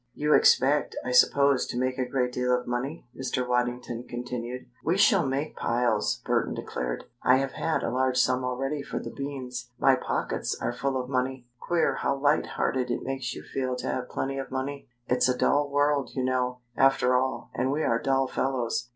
"You expect, I suppose, to make a great deal of money?" Mr. Waddington continued. "We shall make piles," Burton declared. "I have had a large sum already for the beans. My pockets are full of money. Queer how light hearted it makes you feel to have plenty of money. It's a dull world, you know, after all, and we are dull fellows.